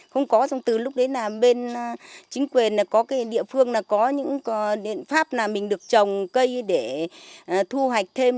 không có từ lúc đấy là bên chính quyền có địa phương có những pháp mình được trồng cây để thu hoạch thêm